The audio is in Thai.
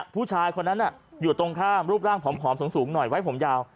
ผู้ชายคนนั้นอยู่ตรงข้ามรูปร่างผอมสูงหน่อยไว้ผมยาว